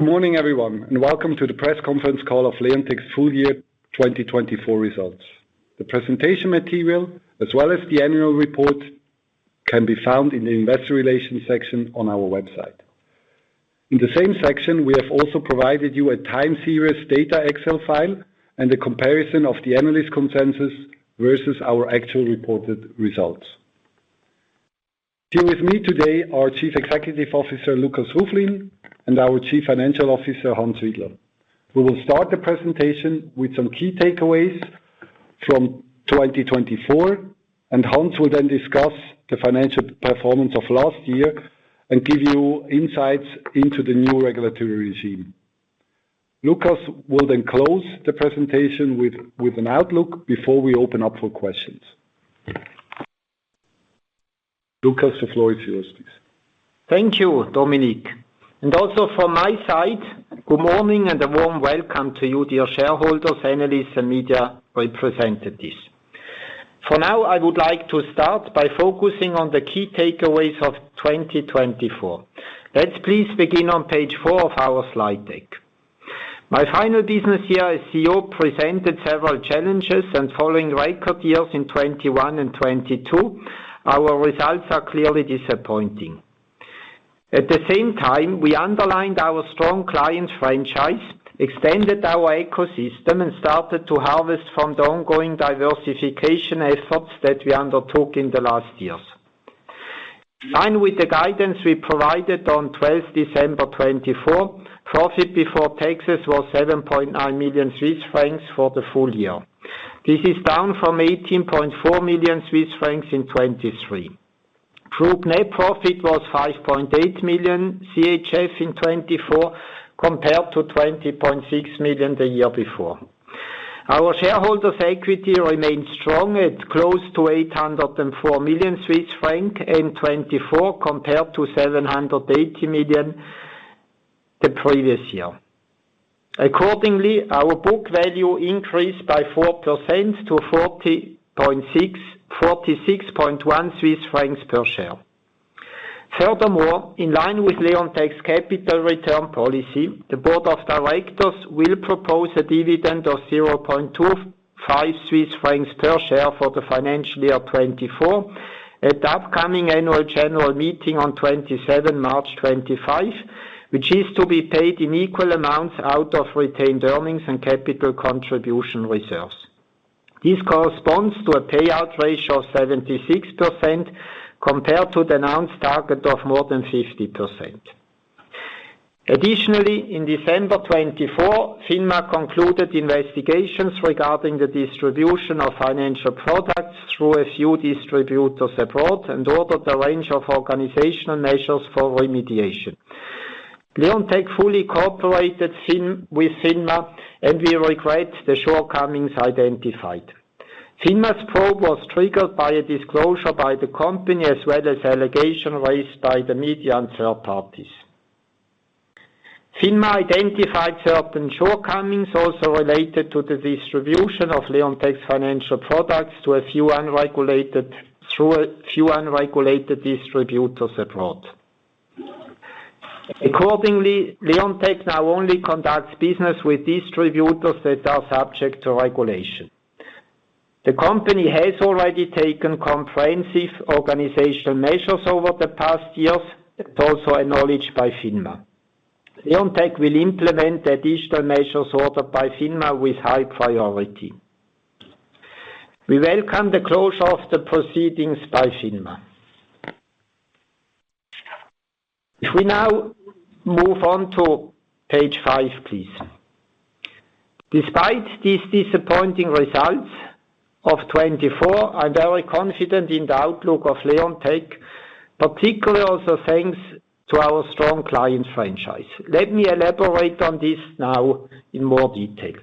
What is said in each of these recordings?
Good morning, everyone, and welcome to the Press Conference Call of Leonteq's Full Year 2024 Results. The presentation material, as well as the annual report, can be found in the investor relations section on our website. In the same section, we have also provided you a time series data excel file and a comparison of the analyst consensus versus our actual reported results. Here with me today are Chief Executive Officer, Lukas Ruflin and our Chief Financial Officer, Hans Widler. We will start the presentation with some key takeaways from 2024, and Hans will then discuss the financial performance of last year and give you insights into the new regulatory regime. Lukas, the floor is yours, please. Thank you, Dominik. And also from my side, good morning and a warm welcome to you, dear shareholders, analysts, and media representatives. For now, I would like to start by focusing on the key takeaways of 2024. Let's please begin on page four of our slide deck. My final business year as CEO presented several challenges, and following record years in 2021 and 2022, our results are clearly disappointing. At the same time, we underlined our strong client franchise, extended our ecosystem, and started to harvest from the ongoing diversification efforts that we undertook in the last years. In line with the guidance we provided on December 12, 2024, profit before taxes was 7.9 million Swiss francs for the full year. This is down from 18.4 million Swiss francs in 2023. Group net profit was 5.8 million CHF in 2024, compared to 20.6 million the year before. Our shareholders' equity remained strong at close to 804 million Swiss francs in 2024, compared to 780 million the previous year. Accordingly, our book value increased by 4% to 46.1 Swiss francs per share. Furthermore, in line with Leonteq's capital return policy, the Board of Directors will propose a dividend of 0.25 Swiss francs per share for the financial year 2024 at the upcoming Annual General Meeting on March 27, 2025, which is to be paid in equal amounts out of retained earnings and capital contribution reserves. This corresponds to a payout ratio of 76% compared to the announced target of more than 50%. Additionally, in December 2024, FINMA concluded investigations regarding the distribution of financial products through a few distributors abroad and ordered a range of organizational measures for remediation. Leonteq fully cooperated with FINMA, and we regret the shortcomings identified. FINMA's probe was triggered by a disclosure by the company, as well as allegations raised by the media and third parties. FINMA identified certain shortcomings also related to the distribution of Leonteq's financial products to a few unregulated distributors abroad. Accordingly, Leonteq now only conducts business with distributors that are subject to regulation. The company has already taken comprehensive organizational measures over the past years, also acknowledged by FINMA. Leonteq will implement the additional measures ordered by FINMA with high priority. We welcome the closure of the proceedings by FINMA. If we now move on to page five, please. Despite these disappointing results of 2024, I'm very confident in the outlook of Leonteq, particularly also thanks to our strong client franchise. Let me elaborate on this now in more detail.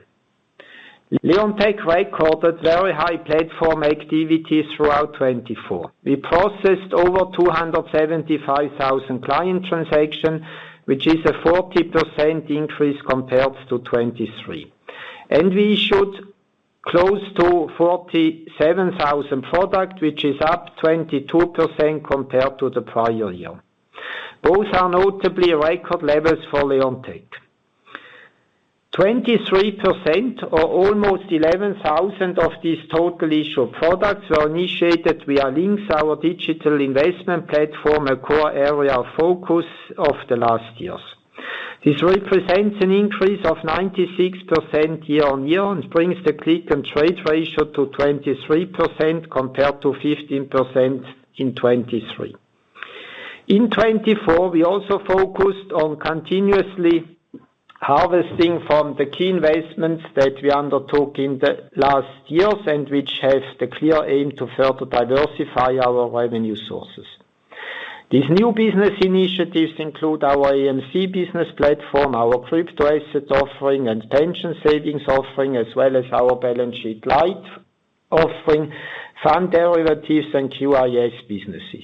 Leonteq recorded very high platform activities throughout 2024. We processed over 275,000 client transactions, which is a 40% increase compared to 2023, and we issued close to 47,000 products, which is up 22% compared to the prior year. Both are notably record levels for Leonteq. 23%, or almost 11,000 of these total issued products, were initiated via LYNQS, our digital investment platform, a core area of focus of the last years. This represents an increase of 96% year-on-year and brings the click-and-trade ratio to 23% compared to 15% in 2023. In 2024, we also focused on continuously harvesting from the key investments that we undertook in the last years and which have the clear aim to further diversify our revenue sources. These new business initiatives include our AMC business platform, our crypto asset offering, and pension savings offering, as well as our balance sheet light offering, fund derivatives, and QIS businesses.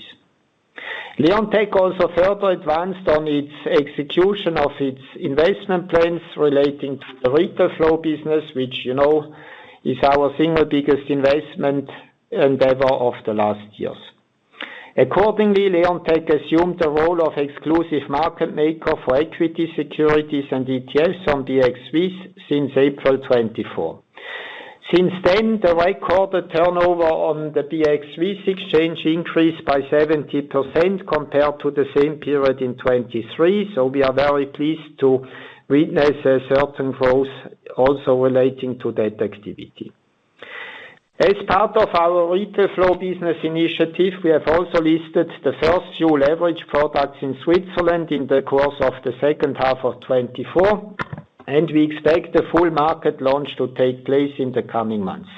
Leonteq also further advanced on its execution of its investment plans relating to the retail flow business, which is our single biggest investment endeavor of the last years. Accordingly, Leonteq assumed the role of exclusive market maker for equity securities and ETFs on BX Swiss since April 2024. Since then, the recorded turnover on the BX Swiss exchange increased by 70% compared to the same period in 2023, so we are very pleased to witness a certain growth also relating to that activity. As part of our retail flow business initiative, we have also listed the first few leveraged products in Switzerland in the course of the second half of 2024, and we expect the full market launch to take place in the coming months.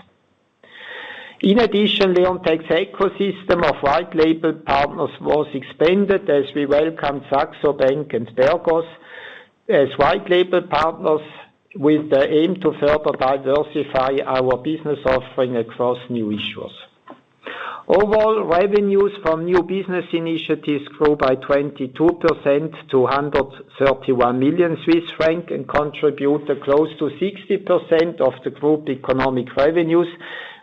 In addition, Leonteq's ecosystem of white-label partners was expanded as we welcomed Saxo Bank and Bergos as white-label partners with the aim to further diversify our business offering across new issuers. Overall, revenues from new business initiatives grew by 22% to 131 million Swiss francs and contributed close to 60% of the group economic revenues,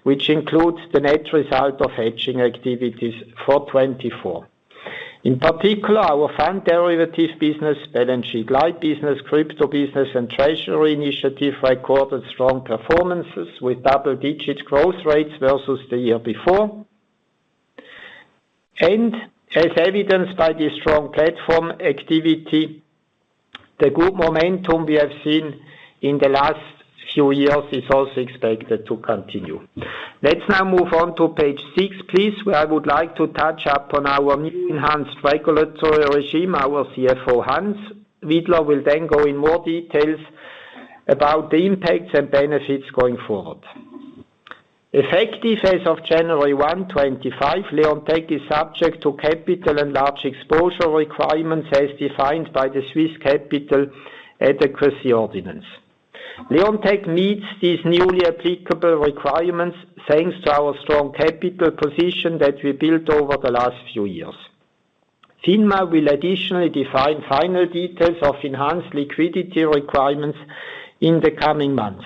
which includes the net result of hedging activities for 2024. In particular, our fund derivatives business, balance sheet light business, crypto business, and treasury initiative recorded strong performances with double-digit growth rates versus the year before. As evidenced by the strong platform activity, the good momentum we have seen in the last few years is also expected to continue. Let's now move on to page six, please, where I would like to touch upon our new enhanced regulatory regime. Our CFO, Hans Widler, will then go in more details about the impacts and benefits going forward. Effective as of January 1, 2025, Leonteq is subject to capital and large exposure requirements as defined by the Swiss Capital Adequacy Ordinance. Leonteq meets these newly applicable requirements thanks to our strong capital position that we built over the last few years. FINMA will additionally define final details of enhanced liquidity requirements in the coming months.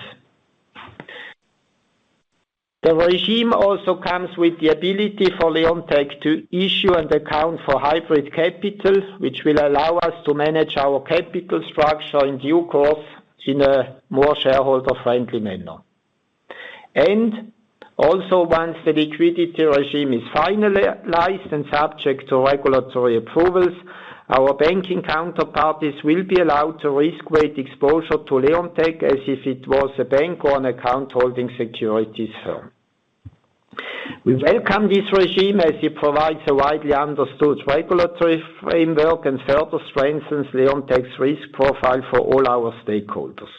The regime also comes with the ability for Leonteq to issue and account for hybrid capital, which will allow us to manage our capital structure in due course in a more shareholder-friendly manner. And also, once the liquidity regime is finalized and subject to regulatory approvals, our banking counterparties will be allowed to risk-weight exposure to Leonteq as if it was a bank or an account holding securities firm. We welcome this regime as it provides a widely understood regulatory framework and further strengthens Leonteq's risk profile for all our stakeholders.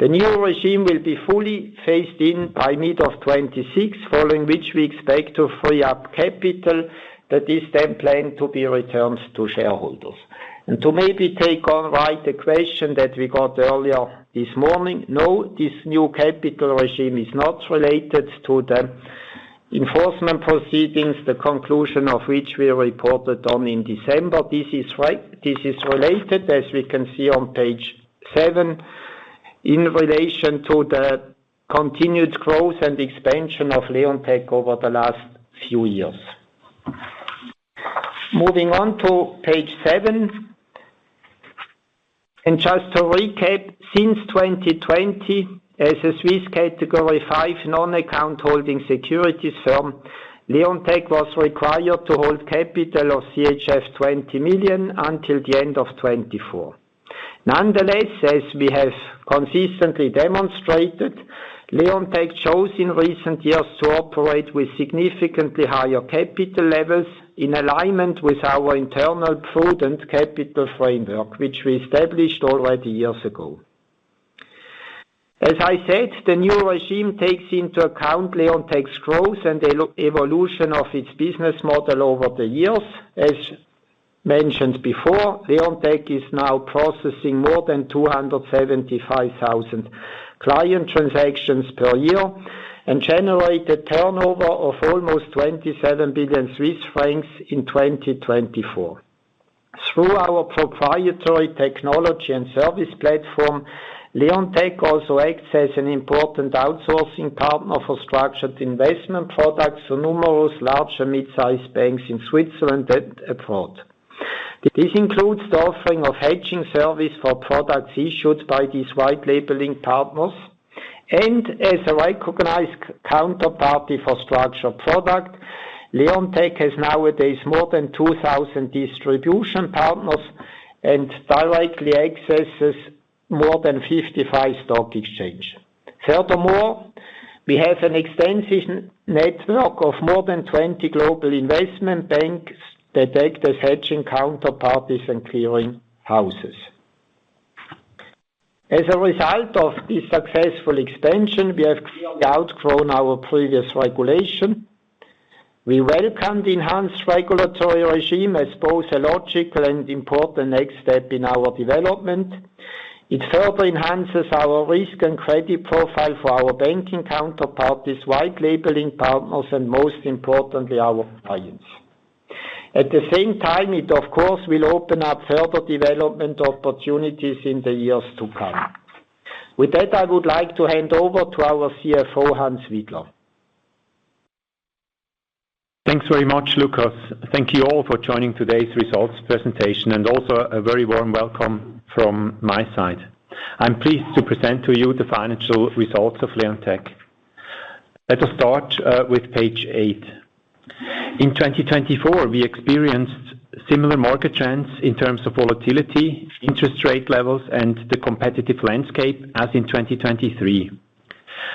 The new regime will be fully phased in by mid of 2026, following which we expect to free up capital that is then planned to be returned to shareholders. And to maybe take on right the question that we got earlier this morning, no, this new capital regime is not related to the enforcement proceedings, the conclusion of which we reported on in December. This is related, as we can see on page seven, in relation to the continued growth and expansion of Leonteq over the last few years. Moving on to page seven, and just to recap, since 2020, as a Swiss category five non-account holding securities firm, Leonteq was required to hold capital of CHF 20 million until the end of 2024. Nonetheless, as we have consistently demonstrated, Leonteq chose in recent years to operate with significantly higher capital levels in alignment with our internal prudent capital framework, which we established already years ago. As I said, the new regime takes into account Leonteq's growth and evolution of its business model over the years. As mentioned before, Leonteq is now processing more than 275,000 client transactions per year and generated turnover of almost 27 billion Swiss francs in 2024. Through our proprietary technology and service platform, Leonteq also acts as an important outsourcing partner for structured investment products for numerous large and mid-sized banks in Switzerland and abroad. This includes the offering of hedging service for products issued by these white-labeling partners, and as a recognized counterparty for structured product, Leonteq has nowadays more than 2,000 distribution partners and directly accesses more than 55 stock exchanges. Furthermore, we have an extensive network of more than 20 global investment banks that act as hedging counterparties and clearing houses. As a result of this successful expansion, we have clearly outgrown our previous regulation. We welcome the enhanced regulatory regime as both a logical and important next step in our development. It further enhances our risk and credit profile for our banking counterparties, white-labeling partners, and most importantly, our clients. At the same time, it, of course, will open up further development opportunities in the years to come. With that, I would like to hand over to our CFO, Hans Widler. Thanks very much, Lukas. Thank you all for joining today's results presentation and also a very warm welcome from my side. I'm pleased to present to you the financial results of Leonteq. Let us start with page eight. In 2024, we experienced similar market trends in terms of volatility, interest rate levels, and the competitive landscape as in 2023.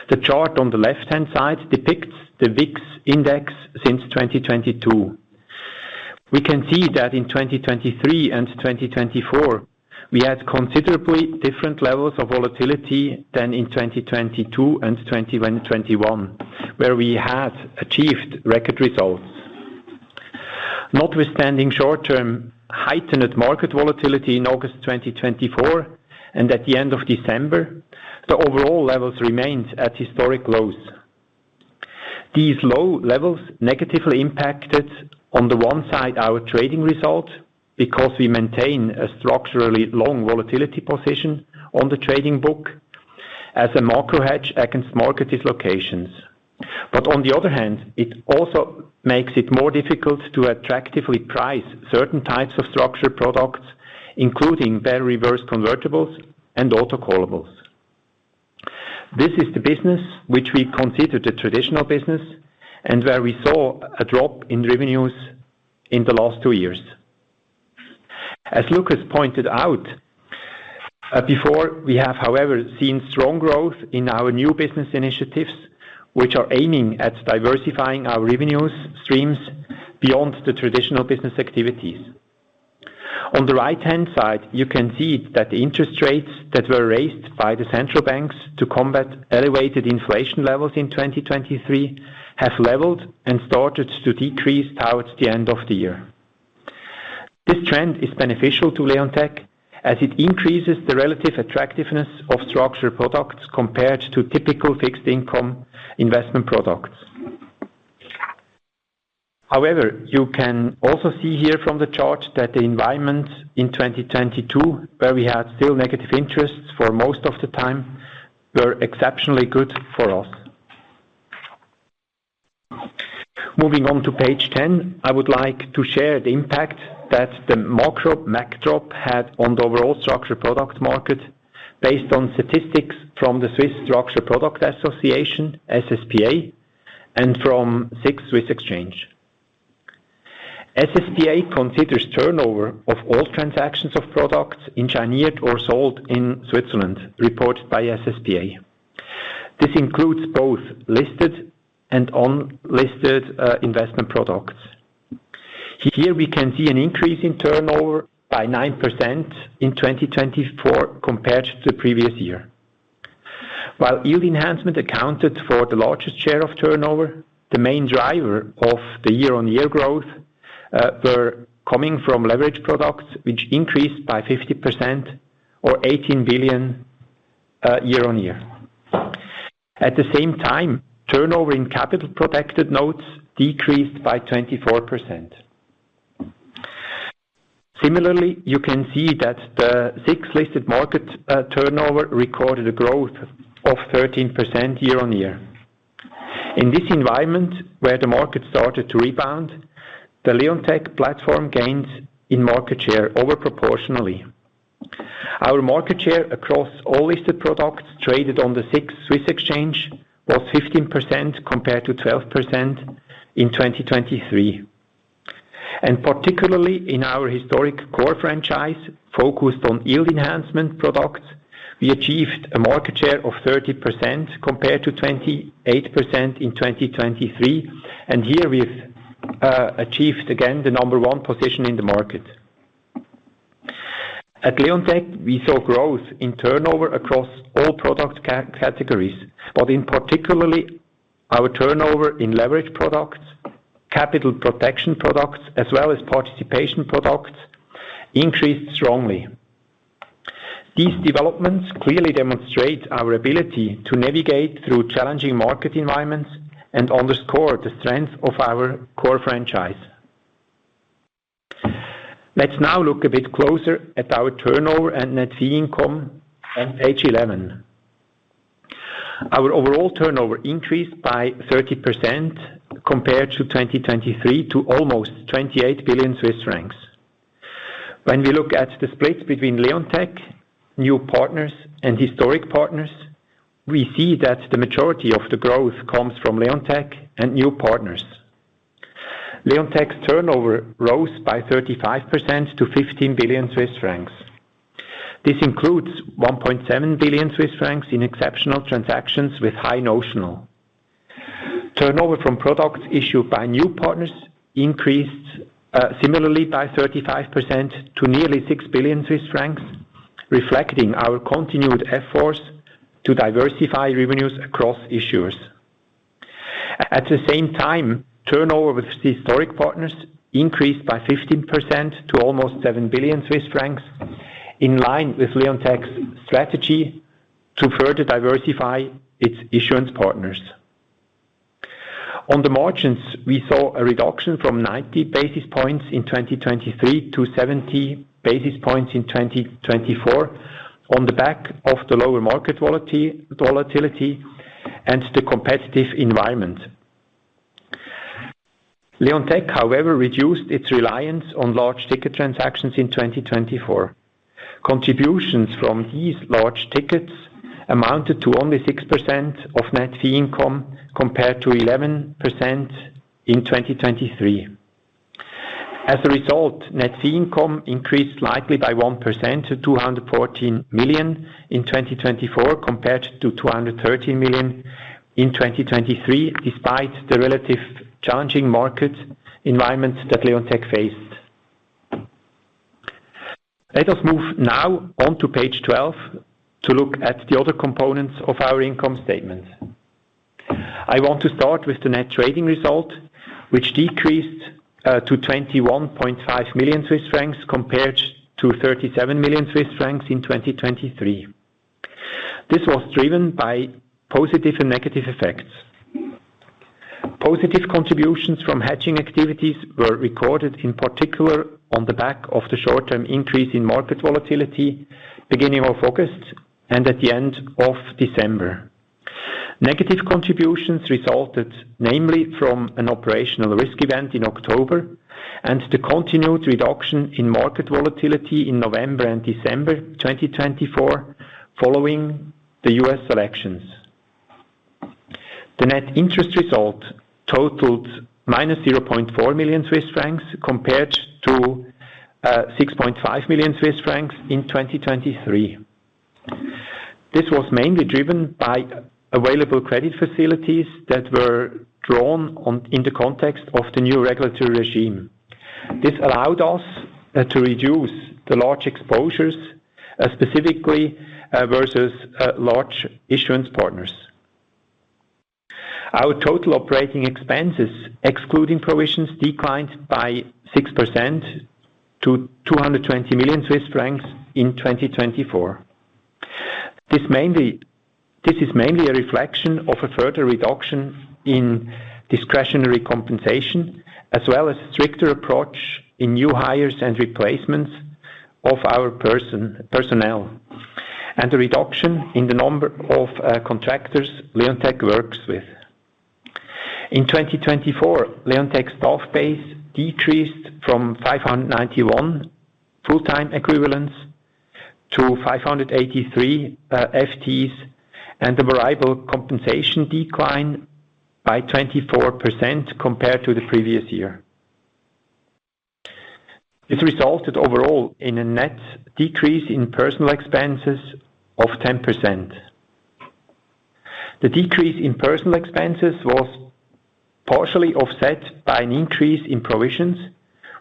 The chart on the left-hand side depicts the VIX index since 2022. We can see that in 2023 and 2024, we had considerably different levels of volatility than in 2022 and 2021, where we had achieved record results. Notwithstanding short-term heightened market volatility in August 2024 and at the end of December, the overall levels remained at historic lows. These low levels negatively impacted, on the one side, our trading result because we maintain a structurally long volatility position on the trading book as a macro hedge against market dislocations. But on the other hand, it also makes it more difficult to attractively price certain types of structured products, including Barrier Reverse Convertibles and autocallables. This is the business which we consider the traditional business and where we saw a drop in revenues in the last two years. As Lukas pointed out before, we have, however, seen strong growth in our new business initiatives, which are aiming at diversifying our revenue streams beyond the traditional business activities. On the right-hand side, you can see that the interest rates that were raised by the central banks to combat elevated inflation levels in 2023 have leveled and started to decrease towards the end of the year. This trend is beneficial to Leonteq as it increases the relative attractiveness of structured products compared to typical fixed-income investment products. However, you can also see here from the chart that the environment in 2022, where we had still negative interests for most of the time, were exceptionally good for us. Moving on to page 10, I would like to share the impact that the macro backdrop had on the overall structured product market based on statistics from the Swiss Structured Products Association, SSPA, and from SIX Swiss Exchange. SSPA considers turnover of all transactions of products engineered or sold in Switzerland reported by SSPA. This includes both listed and unlisted investment products. Here we can see an increase in turnover by 9% in 2024 compared to the previous year. While yield enhancement accounted for the largest share of turnover, the main driver of the year-on-year growth was coming from leveraged products, which increased by 50% or 18 billion year-on-year. At the same time, turnover in capital protected notes decreased by 24%. Similarly, you can see that the SIX listed market turnover recorded a growth of 13% year-on-year. In this environment, where the market started to rebound, the Leonteq platform gains in market share overproportionally. Our market share across all listed products traded on the SIX Swiss Exchange was 15% compared to 12% in 2023, and particularly in our historic core franchise focused on yield enhancement products, we achieved a market share of 30% compared to 28% in 2023, and here we've achieved again the number one position in the market. At Leonteq, we saw growth in turnover across all product categories, but particularly, our turnover in leveraged products, capital protection products, as well as participation products increased strongly. These developments clearly demonstrate our ability to navigate through challenging market environments and underscore the strength of our core franchise. Let's now look a bit closer at our turnover and net fee income on page 11. Our overall turnover increased by 30% compared to 2023 to almost 28 billion Swiss francs. When we look at the split between Leonteq, new partners, and historic partners, we see that the majority of the growth comes from Leonteq and new partners. Leonteq's turnover rose by 35% to 15 billion Swiss francs. This includes 1.7 billion Swiss francs in exceptional transactions with high notional. Turnover from products issued by new partners increased similarly by 35% to nearly 6 billion Swiss francs, reflecting our continued efforts to diversify revenues across issuers. At the same time, turnover with historic partners increased by 15% to almost 7 billion Swiss francs, in line with Leonteq's strategy to further diversify its issuance partners. On the margins, we saw a reduction from 90 basis points in 2023 to 70 basis points in 2024 on the back of the lower market volatility and the competitive environment. Leonteq, however, reduced its reliance on large ticket transactions in 2024. Contributions from these large tickets amounted to only 6% of net fee income compared to 11% in 2023. As a result, net fee income increased slightly by 1% to 214 million in 2024 compared to 213 million in 2023, despite the relatively challenging market environment that Leonteq faced. Let us move now on to page 12 to look at the other components of our income statement. I want to start with the net trading result, which decreased to 21.5 million Swiss francs compared to 37 million Swiss francs in 2023. This was driven by positive and negative effects. Positive contributions from hedging activities were recorded in particular on the back of the short-term increase in market volatility beginning of August and at the end of December. Negative contributions resulted namely from an operational risk event in October and the continued reduction in market volatility in November and December 2024 following the U.S. elections. The net interest result totaled minus 0.4 million Swiss francs compared to 6.5 million Swiss francs in 2023. This was mainly driven by available credit facilities that were drawn in the context of the new regulatory regime. This allowed us to reduce the large exposures, specifically versus large issuance partners. Our total operating expenses, excluding provisions, declined by 6% to 220 million Swiss francs in 2024. This is mainly a reflection of a further reduction in discretionary compensation, as well as a stricter approach in new hires and replacements of our personnel, and a reduction in the number of contractors Leonteq works with. In 2024, Leonteq's staff base decreased from 591 full-time equivalents to 583 FTEs, and the variable compensation declined by 24% compared to the previous year. This resulted overall in a net decrease in personal expenses of 10%. The decrease in personal expenses was partially offset by an increase in provisions,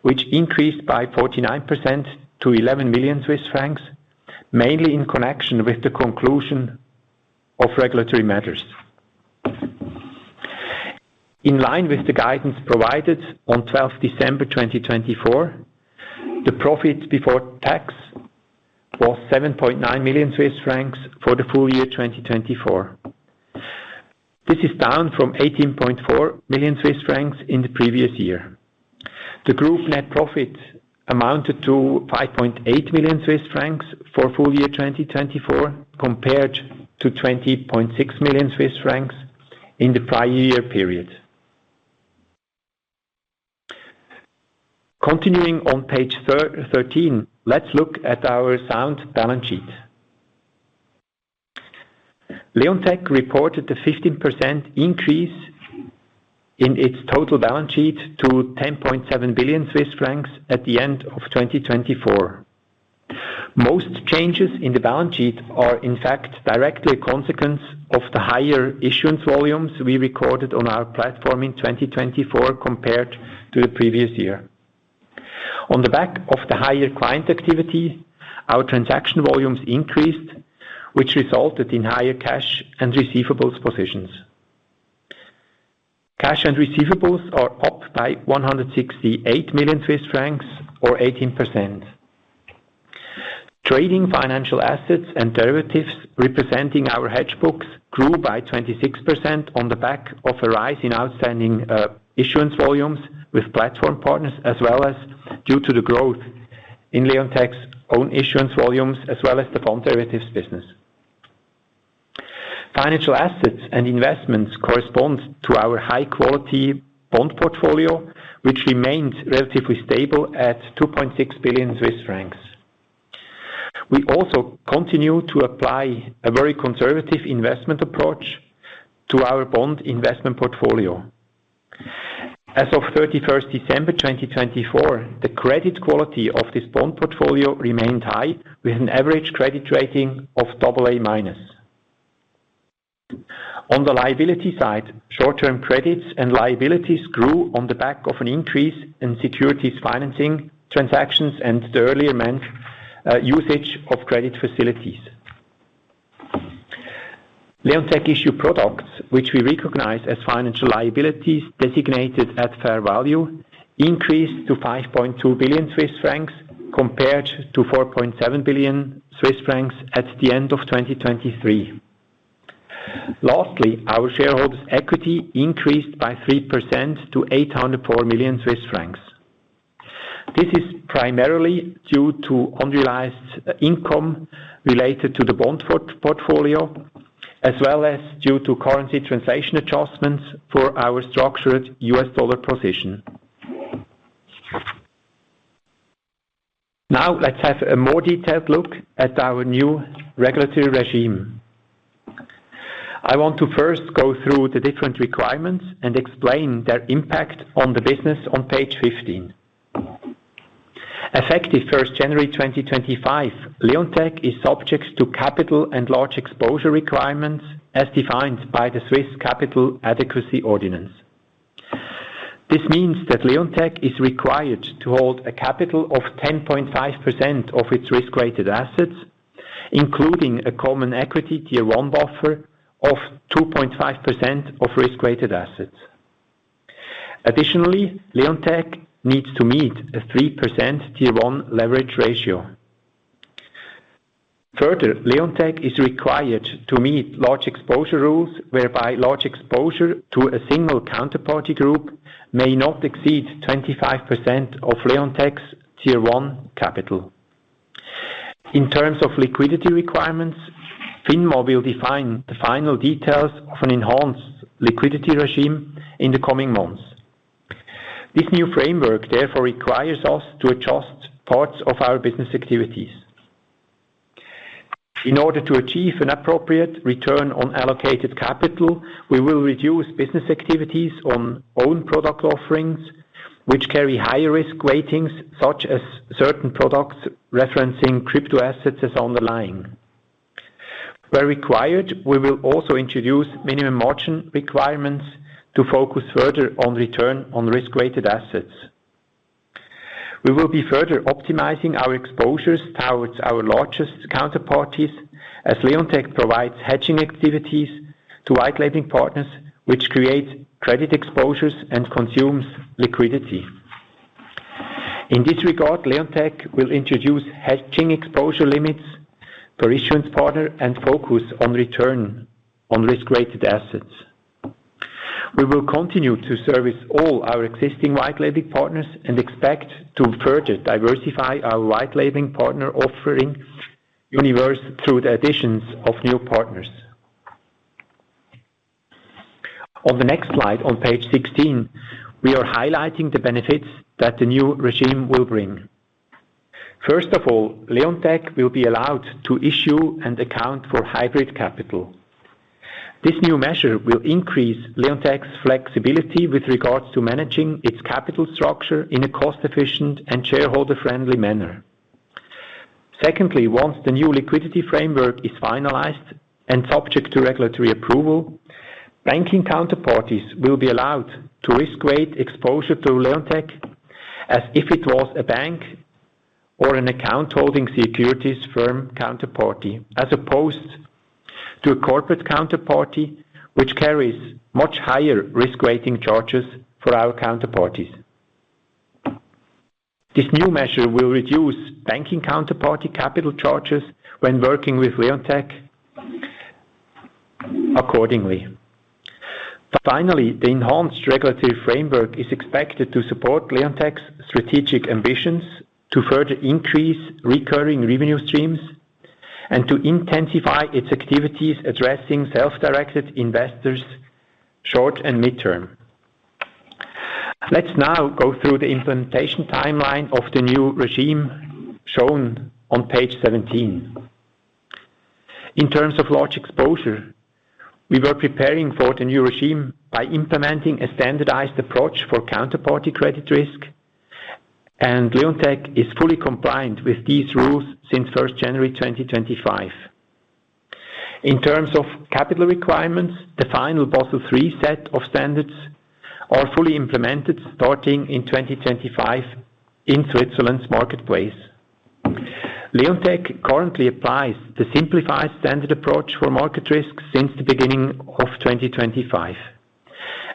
which increased by 49% to 11 million Swiss francs, mainly in connection with the conclusion of regulatory measures. In line with the guidance provided on 12 December 2024, the profit before tax was 7.9 million Swiss francs for the full year 2024. This is down from 18.4 million Swiss francs in the previous year. The group net profit amounted to 5.8 million Swiss francs for full year 2024 compared to 20.6 million Swiss francs in the prior year period. Continuing on page 13, let's look at our sound balance sheet. Leonteq reported a 15% increase in its total balance sheet to 10.7 billion Swiss francs at the end of 2024. Most changes in the balance sheet are, in fact, directly a consequence of the higher issuance volumes we recorded on our platform in 2024 compared to the previous year. On the back of the higher client activity, our transaction volumes increased, which resulted in higher cash and receivables positions. Cash and receivables are up by 168 million Swiss francs, or 18%. Trading financial assets and derivatives representing our hedge books grew by 26% on the back of a rise in outstanding issuance volumes with platform partners, as well as due to the growth in Leonteq's own issuance volumes, as well as the bond derivatives business. Financial assets and investments correspond to our high-quality bond portfolio, which remained relatively stable at 2.6 billion Swiss francs. We also continue to apply a very conservative investment approach to our bond investment portfolio. As of 31 December 2024, the credit quality of this bond portfolio remained high, with an average credit rating of AA minus. On the liability side, short-term credits and liabilities grew on the back of an increase in securities financing transactions and the earlier month usage of credit facilities. Leonteq issued products, which we recognize as financial liabilities designated at fair value, increased to 5.2 billion Swiss francs compared to 4.7 billion Swiss francs at the end of 2023. Lastly, our shareholders' equity increased by 3% to 804 million Swiss francs. This is primarily due to unrealized income related to the bond portfolio, as well as due to currency translation adjustments for our structured U.S. dollar position. Now, let's have a more detailed look at our new regulatory regime. I want to first go through the different requirements and explain their impact on the business on page 15. Effective 1 January 2025, Leonteq is subject to capital and large exposure requirements as defined by the Swiss Capital Adequacy Ordinance. This means that Leonteq is required to hold a capital of 10.5% of its risk-weighted assets, including a Common Equity Tier 1 buffer of 2.5% of risk-weighted assets. Additionally, Leonteq needs to meet a 3% Tier 1 leverage ratio. Further, Leonteq is required to meet large exposure rules, whereby large exposure to a single counterparty group may not exceed 25% of Leonteq's Tier 1 capital. In terms of liquidity requirements, FINMA will define the final details of an enhanced liquidity regime in the coming months. This new framework therefore requires us to adjust parts of our business activities. In order to achieve an appropriate return on allocated capital, we will reduce business activities on own product offerings which carry higher risk ratings, such as certain products referencing crypto assets as underlying. Where required, we will also introduce minimum margin requirements to focus further on return on risk-weighted assets. We will be further optimizing our exposures towards our largest counterparties, as Leonteq provides hedging activities to white-labeling partners, which creates credit exposures and consumes liquidity. In this regard, Leonteq will introduce hedging exposure limits per issuance partner and focus on return on risk-weighted assets. We will continue to service all our existing white-labeling partners and expect to further diversify our white-labeling partner offering universe through the additions of new partners. On the next slide on page 16, we are highlighting the benefits that the new regime will bring. First of all, Leonteq will be allowed to issue and account for hybrid capital. This new measure will increase Leonteq's flexibility with regards to managing its capital structure in a cost-efficient and shareholder-friendly manner. Secondly, once the new liquidity framework is finalized and subject to regulatory approval, banking counterparties will be allowed to risk-weight exposure through Leonteq as if it was a bank or an account holding securities firm counterparty, as opposed to a corporate counterparty which carries much higher risk-weighting charges for our counterparties. This new measure will reduce banking counterparty capital charges when working with Leonteq accordingly. Finally, the enhanced regulatory framework is expected to support Leonteq's strategic ambitions to further increase recurring revenue streams and to intensify its activities addressing self-directed investors short and midterm. Let's now go through the implementation timeline of the new regime shown on page 17. In terms of large exposure, we were preparing for the new regime by implementing a Standardised Approach for Counterparty Credit Risk, and Leonteq is fully compliant with these rules since January 1, 2025. In terms of capital requirements, the final Basel III set of standards are fully implemented starting in 2025 in Switzerland's marketplace. Leonteq currently applies the Simplified Standard Approach for market risks since the beginning of 2025.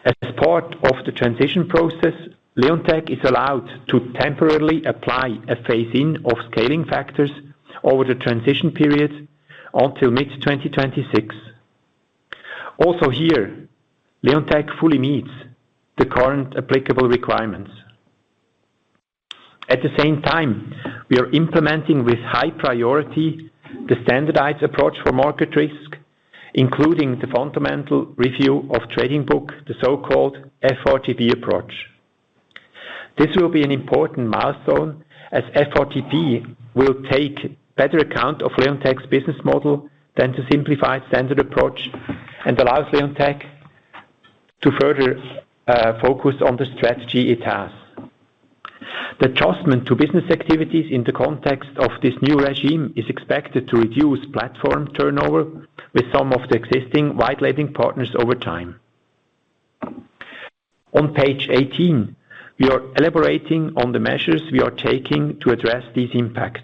As part of the transition process, Leonteq is allowed to temporarily apply a phase-in of scaling factors over the transition period until mid-2026. Also here, Leonteq fully meets the current applicable requirements. At the same time, we are implementing with high priority the Standardised Approach for Market Risk, including the Fundamental Review of the Trading Book, the so-called FRTB approach. This will be an important milestone as FRTB will take better account of Leonteq's business model than the Simplified Standard Approach and allows Leonteq to further focus on the strategy it has. The adjustment to business activities in the context of this new regime is expected to reduce platform turnover with some of the existing white-labeling partners over time. On page 18, we are elaborating on the measures we are taking to address these impacts.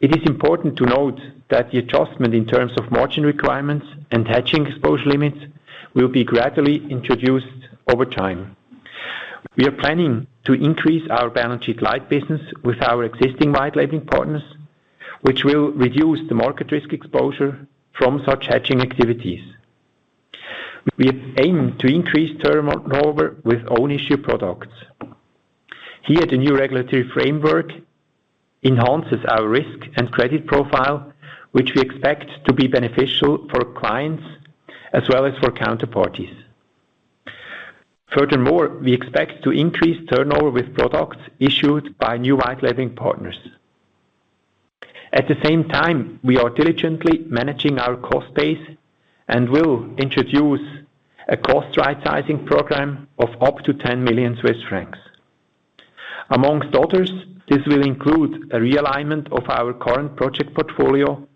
It is important to note that the adjustment in terms of margin requirements and hedging exposure limits will be gradually introduced over time. We are planning to increase our balance sheet light business with our existing white-labeling partners, which will reduce the market risk exposure from such hedging activities. We aim to increase turnover with own-issue products. Here, the new regulatory framework enhances our risk and credit profile, which we expect to be beneficial for clients as well as for counterparties. Furthermore, we expect to increase turnover with products issued by new white-labeling partners. At the same time, we are diligently managing our cost base and will introduce a cost right-sizing program of up to 10 million Swiss francs. Amongst others, this will include a realignment of our current project portfolio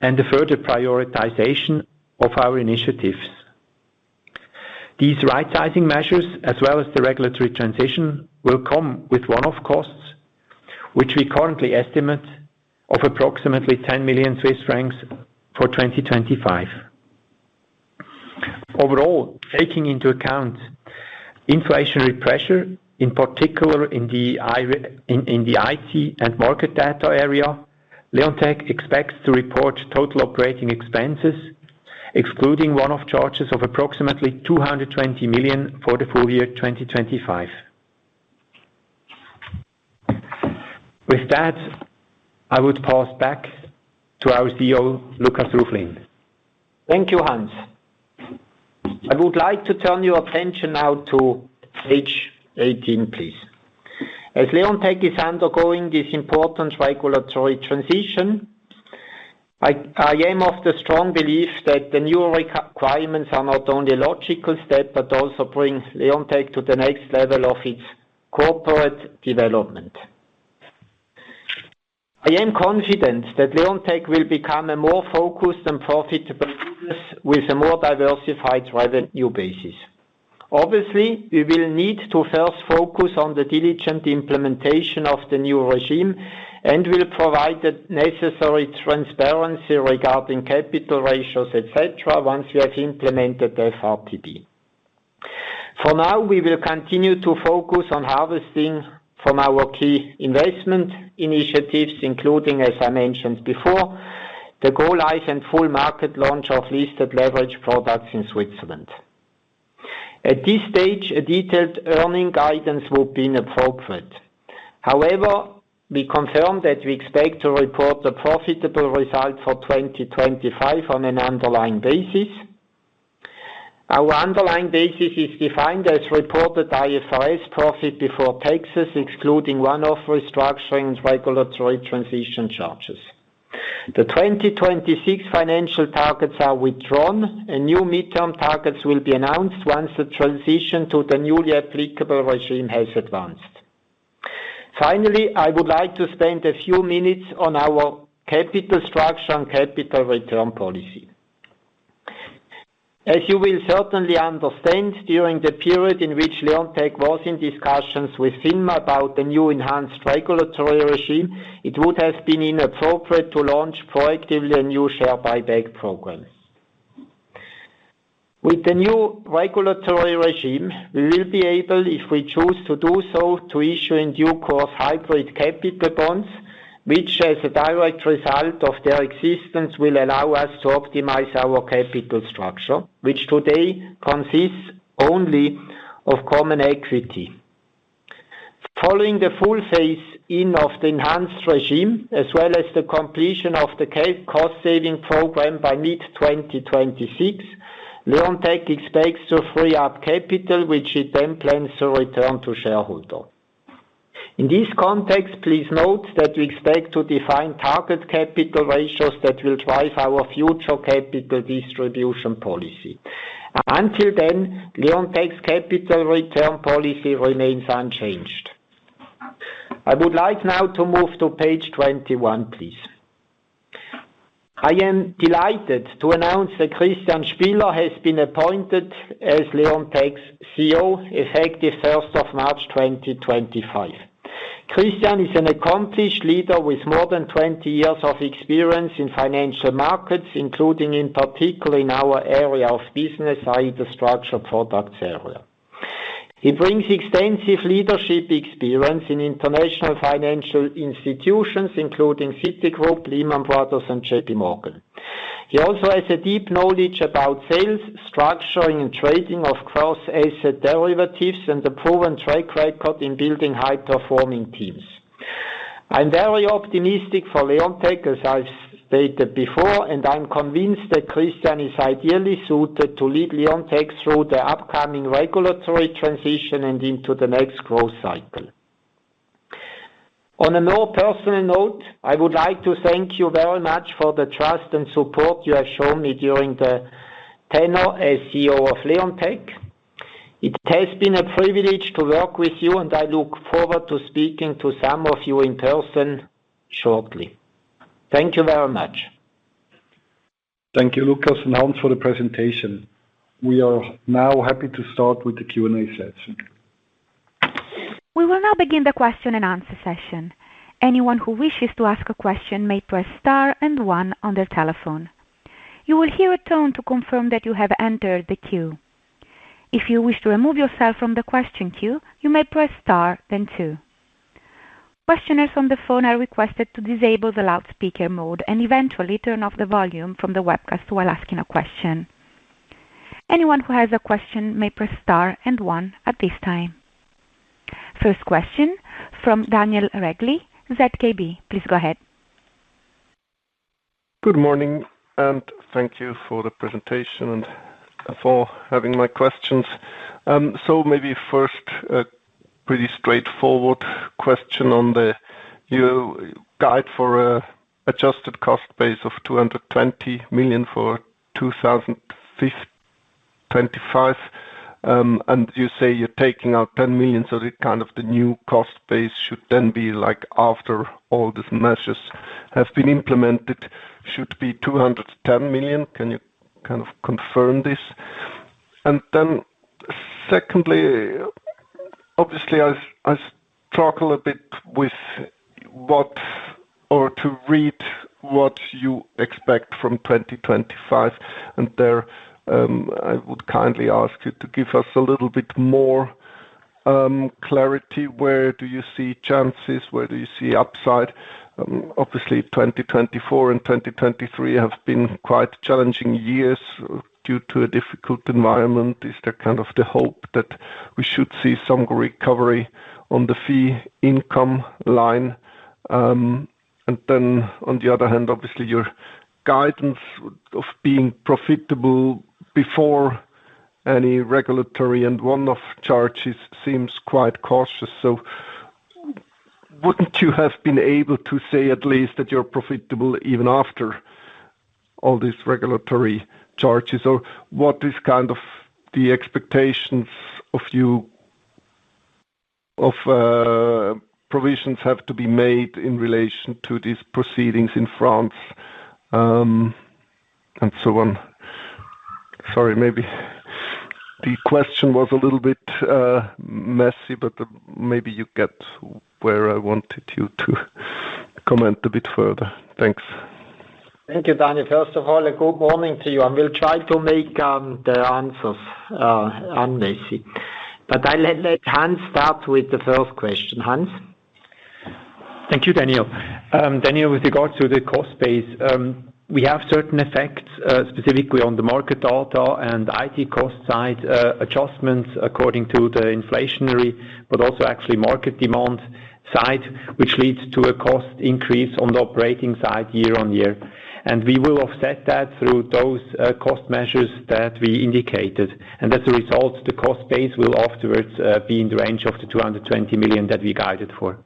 and a further prioritization of our initiatives. These right-sizing measures, as well as the regulatory transition, will come with one-off costs, which we currently estimate of approximately 10 million Swiss francs for 2025. Overall, taking into account inflationary pressure, in particular in the IT and market data area, Leonteq expects to report total operating expenses, excluding one-off charges of approximately 220 million for the full year 2025. With that, I would pass back to our CEO, Lukas Ruflin. Thank you, Hans. I would like to turn your attention now to page 18, please. As Leonteq is undergoing this important regulatory transition, I am of the strong belief that the new requirements are not only a logical step but also bring Leonteq to the next level of its corporate development. I am confident that Leonteq will become a more focused and profitable business with a more diversified revenue basis. Obviously, we will need to first focus on the diligent implementation of the new regime and will provide the necessary transparency regarding capital ratios, etc., once we have implemented FRTB. For now, we will continue to focus on harvesting from our key investment initiatives, including, as I mentioned before, the go-lives and full market launch of listed leveraged products in Switzerland. At this stage, a detailed earnings guidance would be appropriate. However, we confirm that we expect to report a profitable result for 2025 on an underlying basis. Our underlying basis is defined as reported IFRS profit before taxes, excluding one-off restructuring and regulatory transition charges. The 2026 financial targets are withdrawn, and new midterm targets will be announced once the transition to the newly applicable regime has advanced. Finally, I would like to spend a few minutes on our capital structure and capital return policy. As you will certainly understand, during the period in which Leonteq was in discussions with FINMA about the new enhanced regulatory regime, it would have been inappropriate to launch proactively a new share buyback program. With the new regulatory regime, we will be able, if we choose to do so, to issue in due course hybrid capital bonds, which, as a direct result of their existence, will allow us to optimize our capital structure, which today consists only of common equity. Following the full phase-in of the enhanced regime, as well as the completion of the cost-saving program by mid-2026, Leonteq expects to free up capital, which it then plans to return to shareholders. In this context, please note that we expect to define target capital ratios that will drive our future capital distribution policy. Until then, Leonteq's capital return policy remains unchanged. I would like now to move to page 21, please. I am delighted to announce that Christian Spieler has been appointed as Leonteq's CEO, effective 1st of March 2025. Christian is an accomplished leader with more than 20 years of experience in financial markets, including in particular in our area of business, i.e., the structured products area. He brings extensive leadership experience in international financial institutions, including Citigroup, Lehman Brothers, and J.P. Morgan. He also has a deep knowledge about sales, structuring, and trading of cross-asset derivatives and a proven track record in building high-performing teams. I'm very optimistic for Leonteq, as I've stated before, and I'm convinced that Christian is ideally suited to lead Leonteq through the upcoming regulatory transition and into the next growth cycle. On a more personal note, I would like to thank you very much for the trust and support you have shown me during the tenure as CEO of Leonteq. It has been a privilege to work with you, and I look forward to speaking to some of you in person shortly. Thank you very much. Thank you, Lukas and Hans, for the presentation. We are now happy to start with the Q&A session. We will now begin the question and answer session. Anyone who wishes to ask a question may press star and one on their telephone. You will hear a tone to confirm that you have entered the queue. If you wish to remove yourself from the question queue, you may press star then two. Questioners on the phone are requested to disable the loudspeaker mode and eventually turn off the volume from the webcast while asking a question. Anyone who has a question may press star and one at this time. First question from Daniel Regli, ZKB. Please go ahead. Good morning, and thank you for the presentation and for having my questions. So maybe first, a pretty straightforward question on the guide for an adjusted cost base of 220 million for 2025. And you say you're taking out 10 million, so kind of the new cost base should then be like after all these measures have been implemented, should be 210 million. Can you kind of confirm this? And then secondly, obviously, I struggle a bit with what to read what you expect from 2025. And there I would kindly ask you to give us a little bit more clarity. Where do you see chances? Where do you see upside? Obviously, 2024 and 2023 have been quite challenging years due to a difficult environment. Is there kind of the hope that we should see some recovery on the fee income line? And then on the other hand, obviously, your guidance of being profitable before any regulatory and one-off charges seems quite cautious. So wouldn't you have been able to say at least that you're profitable even after all these regulatory charges? Or what is kind of the expectations of you of provisions have to be made in relation to these proceedings in France and so on? Sorry, maybe the question was a little bit messy, but maybe you get where I wanted you to comment a bit further. Thanks. Thank you, Daniel. First of all, a good morning to you. I will try to make the answers unmessy. But I'll let Hans start with the first question. Hans? Thank you, Daniel. Daniel, with regard to the cost base, we have certain effects specifically on the market data and IT cost side adjustments according to the inflationary but also actually market demand side, which leads to a cost increase on the operating side year-on-year, and we will offset that through those cost measures that we indicated, and as a result, the cost base will afterwards be in the range of the 220 million that we guided for.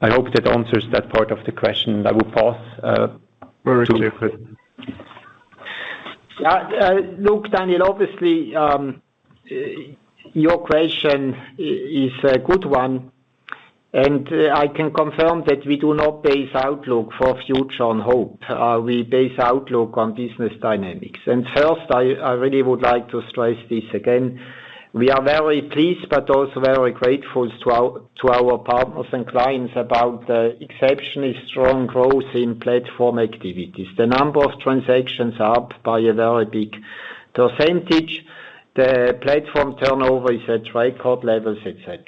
I hope that answers that part of the question. I will pass. Very clear. Yeah. Look, Daniel, obviously, your question is a good one, and I can confirm that we do not base outlook for future on hope. We base outlook on business dynamics, and first, I really would like to stress this again. We are very pleased but also very grateful to our partners and clients about the exceptionally strong growth in platform activities. The number of transactions are up by a very big percentage. The platform turnover is at record levels, etc.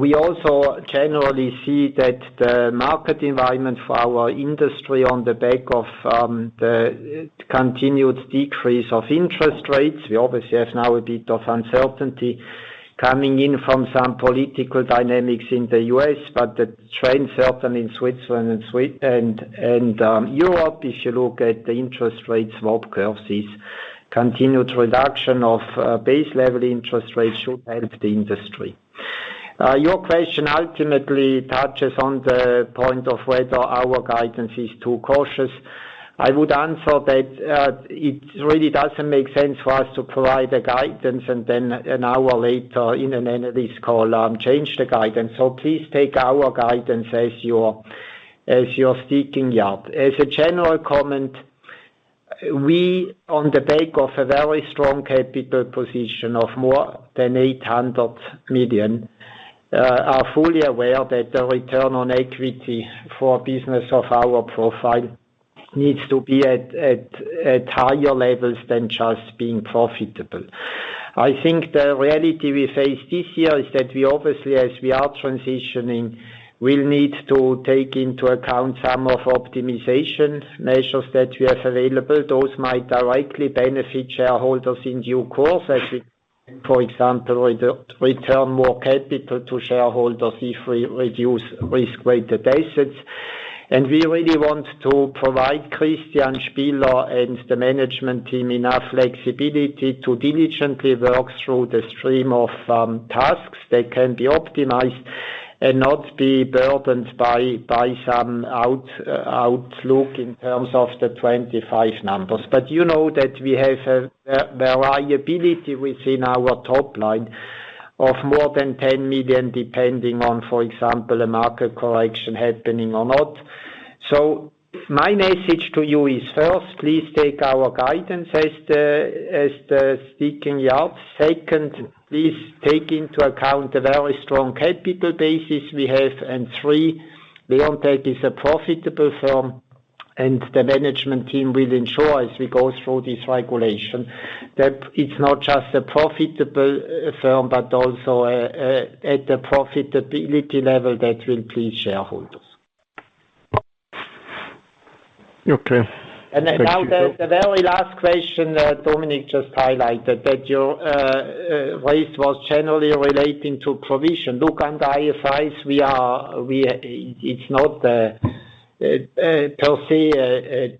We also generally see that the market environment for our industry on the back of the continued decrease of interest rates. We obviously have now a bit of uncertainty coming in from some political dynamics in the U.S., but the trend certainly in Switzerland and Europe, if you look at the interest rates' yield curves, continued reduction of base-level interest rates should help the industry. Your question ultimately touches on the point of whether our guidance is too cautious. I would answer that it really doesn't make sense for us to provide a guidance and then an hour later in an analyst call change the guidance. So please take our guidance as your yardstick. As a general comment, we, on the back of a very strong capital position of more than 800 million, are fully aware that the return on equity for a business of our profile needs to be at higher levels than just being profitable. I think the reality we face this year is that we obviously, as we are transitioning, will need to take into account some of the optimization measures that we have available. Those might directly benefit shareholders in due course, as we, for example, return more capital to shareholders if we reduce risk-weighted assets. And we really want to provide Christian Spieler and the management team enough flexibility to diligently work through the stream of tasks that can be optimized and not be burdened by some outlook in terms of the 2025 numbers. But you know that we have a variability within our top line of more than 10 million depending on, for example, a market correction happening or not. So my message to you is, first, please take our guidance as the yardstick. Second, please take into account the very strong capital basis we have. And three, Leonteq is a profitable firm, and the management team will ensure, as we go through this regulation, that it's not just a profitable firm but also at the profitability level that will please shareholders. Okay. And now the very last question Dominik just highlighted that your raise was generally relating to provision. Look, under IFRS, it's not per se a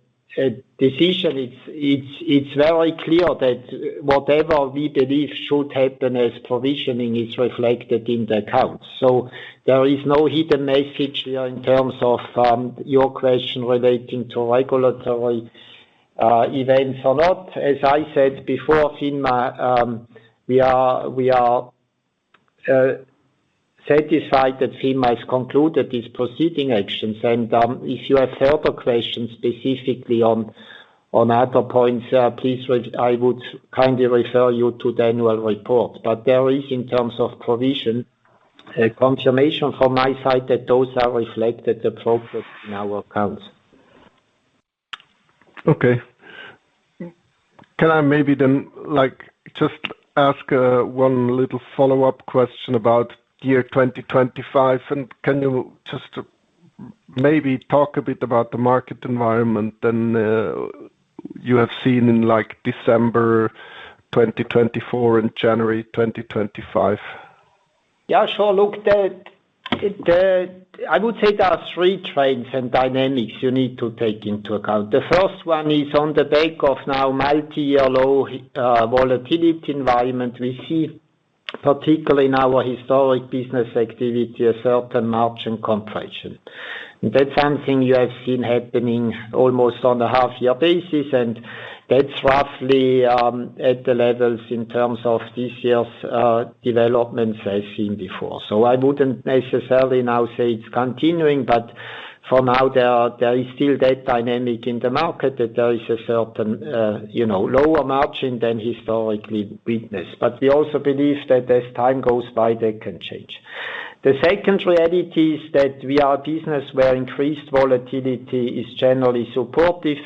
decision. It's very clear that whatever we believe should happen as provisioning is reflected in the accounts. So there is no hidden message here in terms of your question relating to regulatory events or not. As I said before, FINMA, we are satisfied that FINMA has concluded these proceedings actions. And if you have further questions specifically on other points, I would kindly refer you to the annual report. But there is, in terms of provision, a confirmation from my side that those are reflected appropriately in our accounts. Okay. Can I maybe then just ask one little follow-up question about year 2025? And can you just maybe talk a bit about the market environment that you have seen in December 2024 and January 2025? Yeah, sure. Look, I would say there are three trends and dynamics you need to take into account. The first one is on the back of now multi-year low volatility environment. We see, particularly in our historic business activity, a certain margin compression. And that's something you have seen happening almost on a half-year basis. And that's roughly at the levels in terms of this year's developments as seen before. So I wouldn't necessarily now say it's continuing, but for now, there is still that dynamic in the market that there is a certain lower margin than historically witnessed. But we also believe that as time goes by, that can change. The second reality is that we are a business where increased volatility is generally supportive.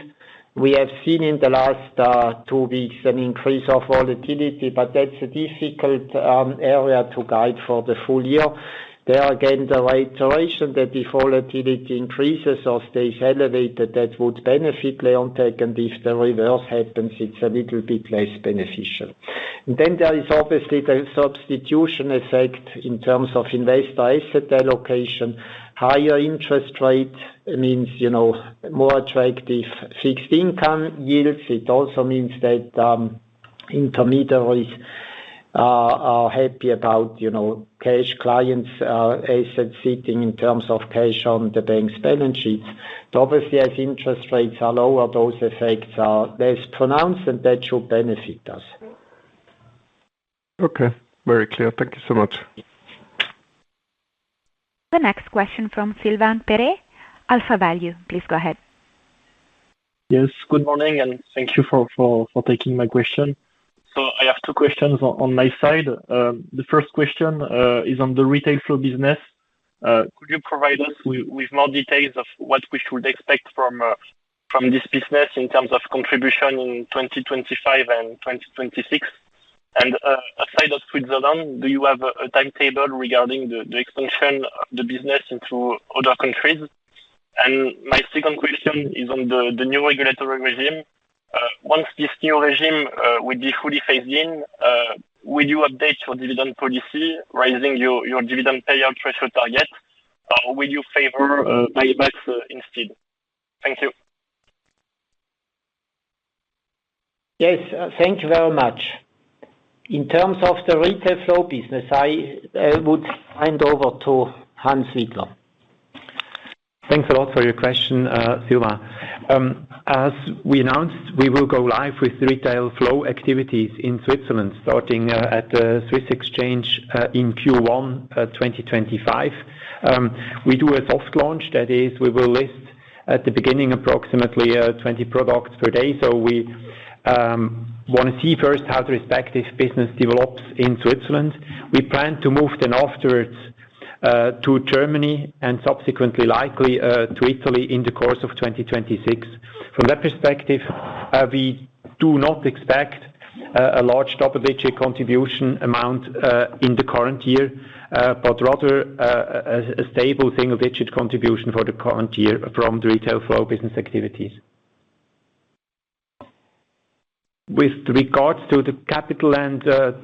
We have seen in the last two weeks an increase of volatility, but that's a difficult area to guide for the full year. There again the reiteration that if volatility increases or stays elevated, that would benefit Leonteq. And if the reverse happens, it's a little bit less beneficial. Then there is obviously the substitution effect in terms of investor asset allocation. Higher interest rate means more attractive fixed income yields. It also means that intermediaries are happy about cash clients' assets sitting in terms of cash on the bank's balance sheets. Obviously, as interest rates are lower, those effects are less pronounced, and that should benefit us. Okay. Very clear. Thank you so much. The next question from Sylvain Perret. AlphaValue, please go ahead. Yes. Good morning, and thank you for taking my question. So I have two questions on my side. The first question is on the retail flow business. Could you provide us with more details of what we should expect from this business in terms of contribution in 2025 and 2026? And aside of Switzerland, do you have a timetable regarding the expansion of the business into other countries? My second question is on the new regulatory regime. Once this new regime would be fully phased in, will you update your dividend policy, raising your dividend payout threshold target, or will you favor buybacks instead? Thank you. Yes. Thank you very much. In terms of the retail flow business, I would hand over to Hans Widler. Thanks a lot for your question, Sylvain. As we announced, we will go live with retail flow activities in Switzerland starting at the Swiss exchange in Q1 2025. We do a soft launch, that is, we will list at the beginning approximately 20 products per day. So we want to see first how the respective business develops in Switzerland. We plan to move then afterwards to Germany and subsequently likely to Italy in the course of 2026. From that perspective, we do not expect a large double-digit contribution amount in the current year, but rather a stable single-digit contribution for the current year from the retail flow business activities. With regards to the capital and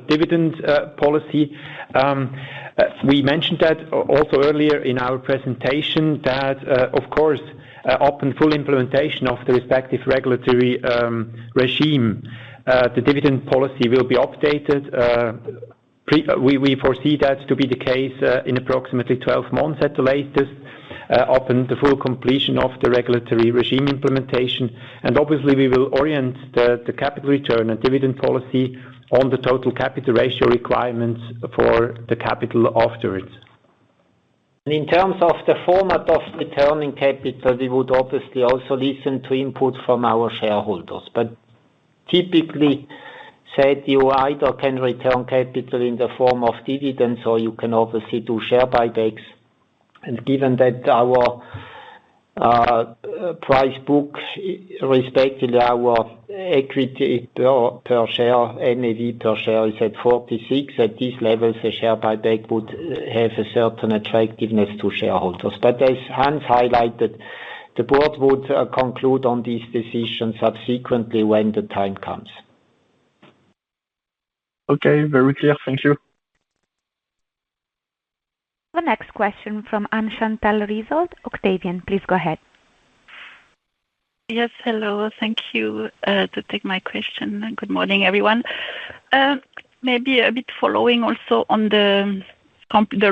dividend policy, we mentioned that also earlier in our presentation that, of course, upon full implementation of the respective regulatory regime, the dividend policy will be updated. We foresee that to be the case in approximately 12 months at the latest, upon the full completion of the regulatory regime implementation, and obviously, we will orient the capital return and dividend policy on the total capital ratio requirements for the capital afterwards. In terms of the format of returning capital, we would obviously also listen to input from our shareholders. But typically, say you either can return capital in the form of dividends or you can obviously do share buybacks. Given that our price book respectively our equity per share, NAV per share is at 46, at these levels, a share buyback would have a certain attractiveness to shareholders. But as Hans highlighted, the board would conclude on these decisions subsequently when the time comes. Okay. Very clear. Thank you. The next question from Anne-Chantal Risold. Octavian, please go ahead. Yes. Hello. Thank you to take my question. Good morning, everyone. Maybe a bit following also on the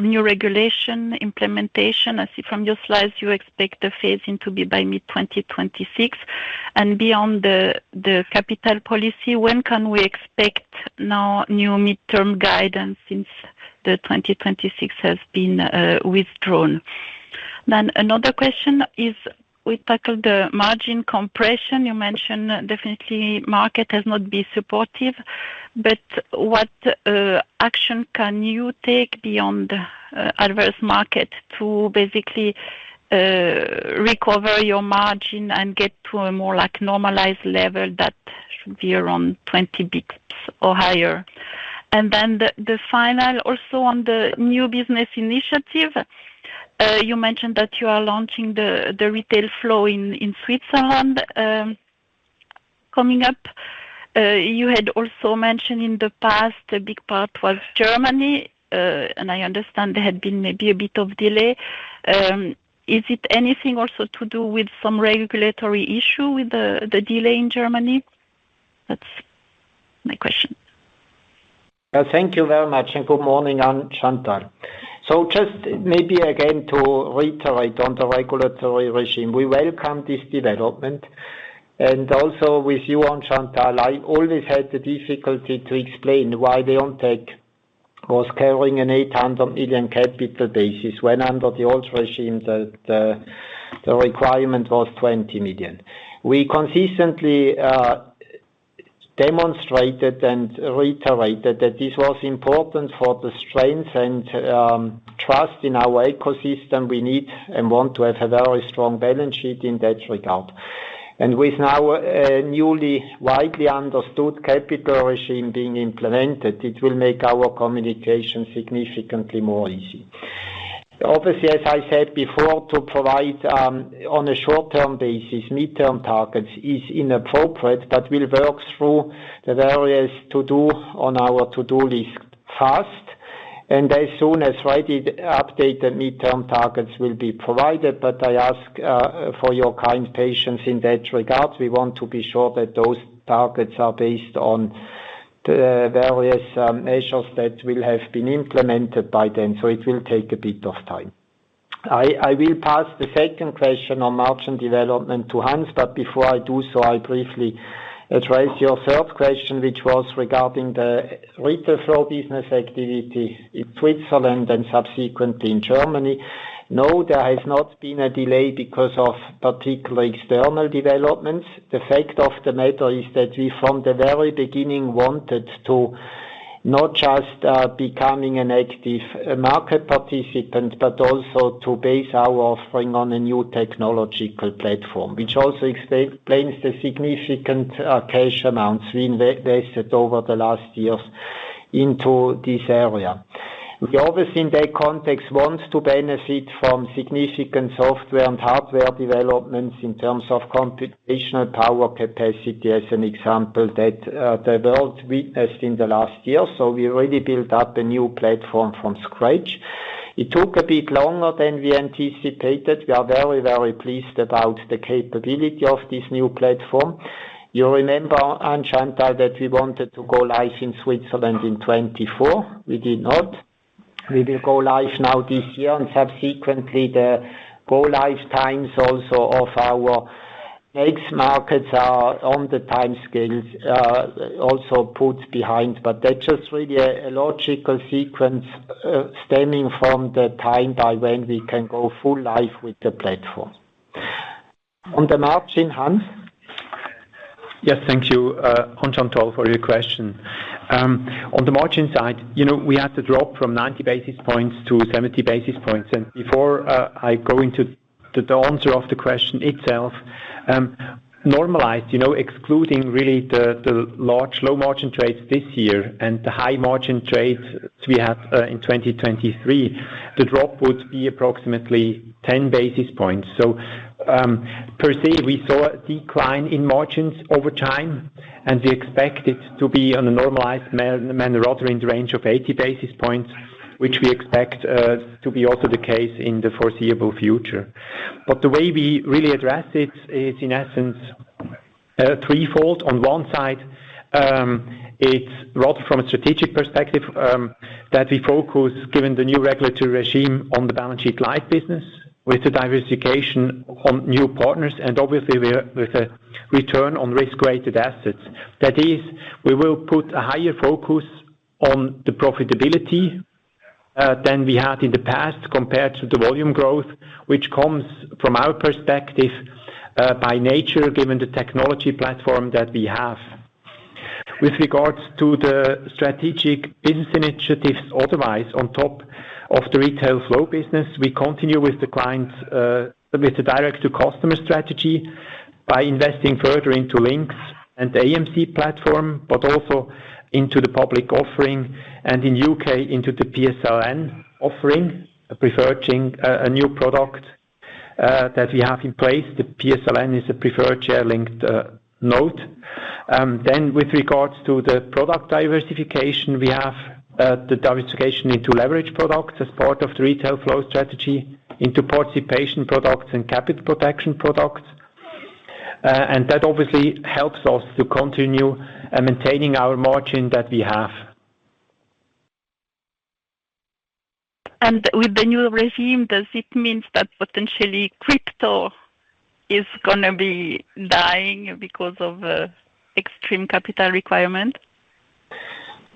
new regulation implementation. I see from your slides you expect the phase-in to be by mid-2026. And beyond the capital policy, when can we expect now new midterm guidance since the 2026 has been withdrawn? Then another question is we tackled the margin compression. You mentioned definitely market has not been supportive. What action can you take beyond adverse market to basically recover your margin and get to a more normalized level that should be around 20 basis points or higher? And then the final also on the new business initiative, you mentioned that you are launching the retail flow in Switzerland coming up. You had also mentioned in the past a big part was Germany. And I understand there had been maybe a bit of delay. Is it anything also to do with some regulatory issue with the delay in Germany? That is my question. Thank you very much. And good morning, Anne-Chantal. So just maybe again to reiterate on the regulatory regime, we welcome this development. And also with you, Hans Widler, I always had the difficulty to explain why Leonteq was carrying a 800 million capital base when under the old regime the requirement was 20 million. We consistently demonstrated and reiterated that this was important for the strength and trust in our ecosystem. We need and want to have a very strong balance sheet in that regard. And with now a newly widely understood capital regime being implemented, it will make our communication significantly more easy. Obviously, as I said before, to provide on a short-term basis, midterm targets is inappropriate, but we'll work through the various to-do on our to-do list fast. And as soon as ready updated midterm targets will be provided, but I ask for your kind patience in that regard. We want to be sure that those targets are based on the various measures that will have been implemented by then. So it will take a bit of time. I will pass the second question on margin development to Hans, but before I do so, I briefly address your third question, which was regarding the retail flow business activity in Switzerland and subsequently in Germany. No, there has not been a delay because of particular external developments. The fact of the matter is that we from the very beginning wanted to not just becoming an active market participant, but also to base our offering on a new technological platform, which also explains the significant cash amounts we invested over the last years into this area. We obviously in that context want to benefit from significant software and hardware developments in terms of computational power capacity as an example that the world witnessed in the last year. So we really built up a new platform from scratch. It took a bit longer than we anticipated. We are very, very pleased about the capability of this new platform. You remember, Anne-Chantal, that we wanted to go live in Switzerland in 2024? We did not. We will go live now this year, and subsequently, the go-live times also of our next markets are on the timescales also put behind, but that's just really a logical sequence stemming from the time by when we can go full life with the platform. On the margin, Hans? Yes, thank you, Anne-Chantal, for your question. On the margin side, we had to drop from 90 basis points to 70 basis points. And before I go into the answer of the question itself, normalized, excluding really the large low-margin trades this year and the high-margin trades we had in 2023, the drop would be approximately 10 basis points. So per se, we saw a decline in margins over time, and we expect it to be on a normalized manner rather in the range of 80 basis points, which we expect to be also the case in the foreseeable future. But the way we really address it is in essence threefold. On one side, it's rather from a strategic perspective that we focus, given the new regulatory regime, on the balance sheet light business with the diversification on new partners. And obviously, with a return on risk-weighted assets. That is, we will put a higher focus on the profitability than we had in the past compared to the volume growth, which comes from our perspective by nature, given the technology platform that we have. With regards to the strategic business initiatives otherwise on top of the retail flow business, we continue with the clients with the direct-to-customer strategy by investing further into LYNQS and the AMC platform, but also into the public offering. And in the U.K., into the PSLN offering, preferring a new product that we have in place. The PSLN is a preferred share linked notes. Then with regards to the product diversification, we have the diversification into leveraged products as part of the retail flow strategy, into participation products and capital protection products. And that obviously helps us to continue maintaining our margin that we have. And with the new regime, does it mean that potentially crypto is going to be dying because of extreme capital requirement?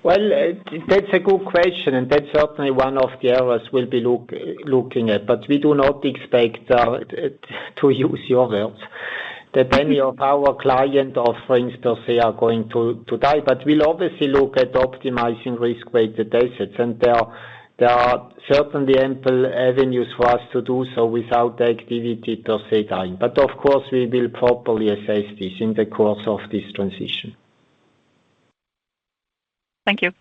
Well, that's a good question. And that's certainly one of the areas we'll be looking at. But we do not expect, to use your words, that any of our client offerings per se are going to die. But we'll obviously look at optimizing risk-weighted assets. And there are certainly ample avenues for us to do so without the activity per se dying. But of course, we will properly assess this in the course of this transition. Thank you.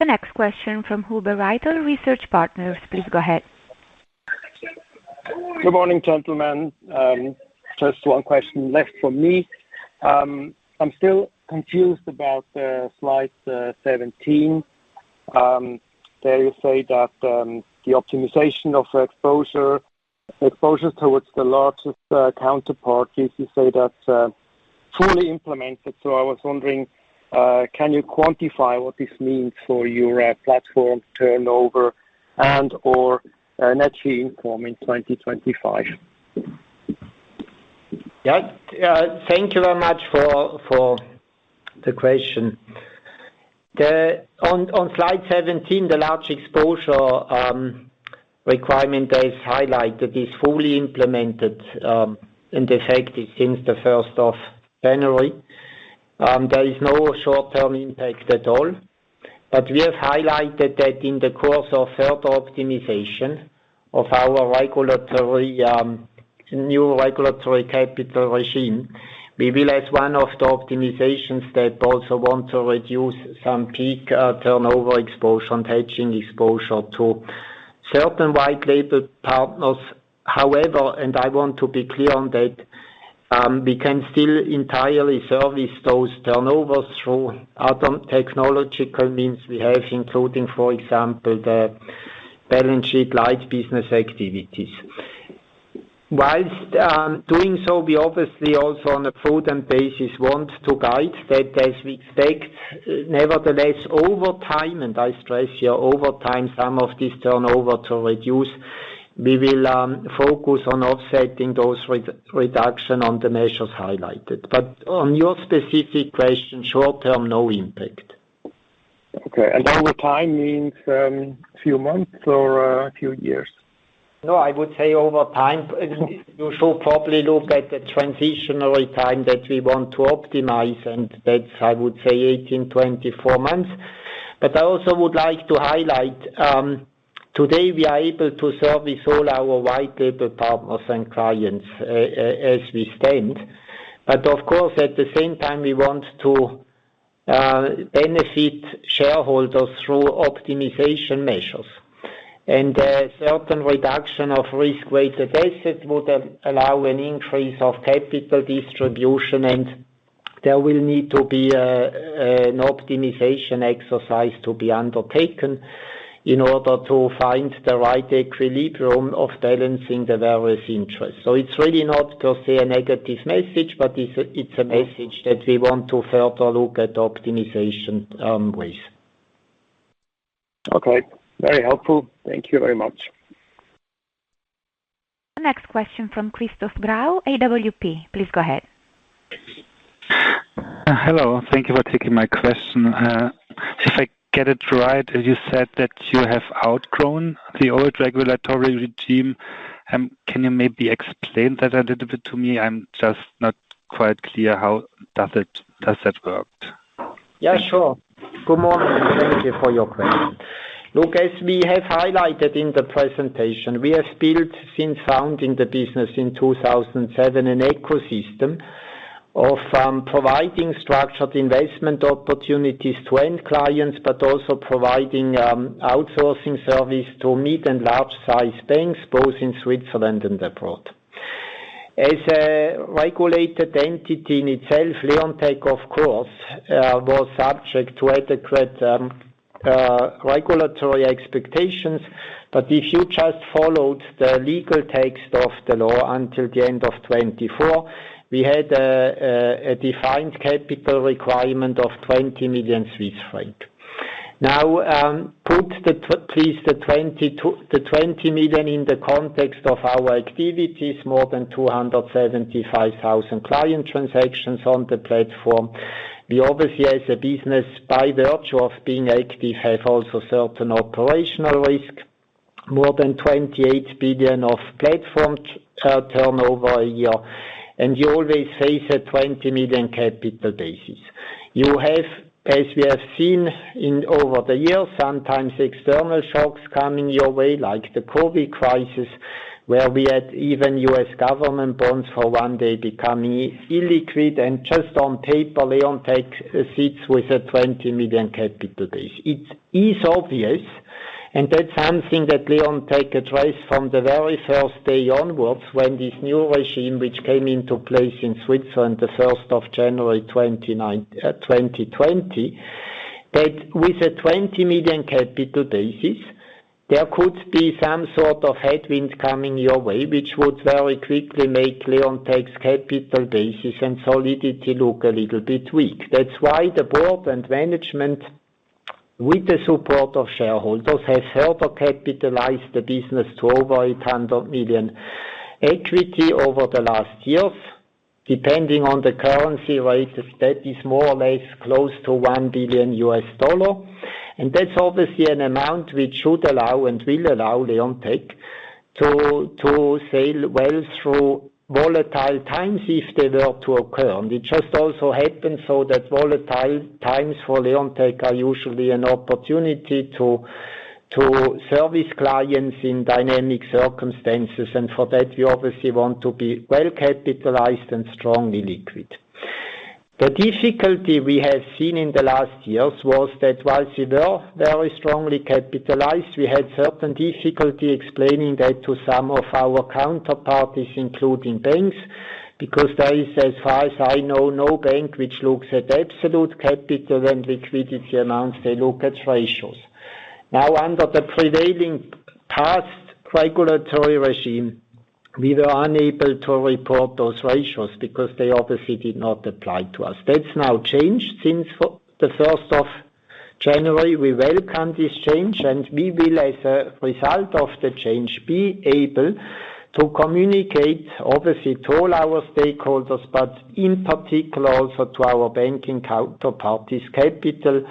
The next question from Reto Huber, Research Partners. Please go ahead. Good morning, gentlemen. Just one question left for me. I'm still confused about Slide 17. There you say that the optimization of exposures towards the largest counterparty is, you say, that's fully implemented. So I was wondering, can you quantify what this means for your platform turnover and/or net fee income in 2025? Yeah. Thank you very much for the question. On Slide 17, the large exposure requirement is highlighted that is fully implemented and effective since the 1st of January. There is no short-term impact at all. But we have highlighted that in the course of further optimization of our new regulatory capital regime, we will, as one of the optimizations, also want to reduce some peak turnover exposure and hedging exposure to certain white-label partners. However, and I want to be clear on that, we can still entirely service those turnovers through other technological means we have, including, for example, the balance sheet light business activities. Whilst doing so, we obviously also on a prudent basis want to guide that as we expect, nevertheless, over time, and I stress here, over time, some of this turnover to reduce, we will focus on offsetting those reductions on the measures highlighted. But on your specific question, short-term, no impact. Okay. Over time means a few months or a few years? No, I would say over time, we should probably look at the transitionary time that we want to optimize. And that's, I would say, 18-24 months. But I also would like to highlight, today, we are able to service all our white-label partners and clients as we stand. But of course, at the same time, we want to benefit shareholders through optimization measures. And certain reduction of risk-weighted assets would allow an increase of capital distribution. And there will need to be an optimization exercise to be undertaken in order to find the right equilibrium of balancing the various interests. So it's really not per se a negative message, but it's a message that we want to further look at optimization ways. Okay. Very helpful. Thank you very much. The next question from Christoph Grau, AWP. Please go ahead. Hello. Thank you for taking my question. If I get it right, you said that you have outgrown the old regulatory regime. Can you maybe explain that a little bit to me? I'm just not quite clear how does that work. Yeah, sure. Good morning. Thank you for your question. Look, as we have highlighted in the presentation, we have built since founding the business in 2007 an ecosystem of providing structured investment opportunities to end clients, but also providing outsourcing service to mid and large-sized banks, both in Switzerland and abroad. As a regulated entity in itself, Leonteq, of course, was subject to adequate regulatory expectations. But if you just followed the legal text of the law until the end of 2024, we had a defined capital requirement of 20 million Swiss francs. Now, put please the 20 million in the context of our activities, more than 275,000 client transactions on the platform. We obviously, as a business, by virtue of being active, have also certain operational risk, more than 28 billion of platform turnover a year. And you always face a 20 million capital basis. You have, as we have seen over the years, sometimes external shocks coming your way, like the COVID crisis, where we had even U.S. government bonds for one day becoming illiquid. And just on paper, Leonteq sits with a 20 million capital base. It is obvious. That's something that Leonteq addressed from the very first day onwards when this new regime, which came into place in Switzerland the 1st of January 2020, that with a 20 million capital basis, there could be some sort of headwind coming your way, which would very quickly make Leonteq's capital basis and solidity look a little bit weak. That's why the board and management, with the support of shareholders, have further capitalized the business to over 800 million equity over the last years, depending on the currency rate. That is more or less close to $1 billion. And that's obviously an amount which should allow and will allow Leonteq to sail well through volatile times if they were to occur. And it just also happens so that volatile times for Leonteq are usually an opportunity to service clients in dynamic circumstances. For that, we obviously want to be well capitalized and strongly liquid. The difficulty we have seen in the last years was that while we were very strongly capitalized, we had certain difficulty explaining that to some of our counterparties, including banks, because there is, as far as I know, no bank which looks at absolute capital and liquidity amounts. They look at ratios. Now, under the prevailing past regulatory regime, we were unable to report those ratios because they obviously did not apply to us. That's now changed since the 1st of January. We welcome this change. And we will, as a result of the change, be able to communicate obviously to all our stakeholders, but in particular also to our banking counterparties, capital